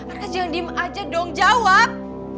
arka jangan diam aja dong jawab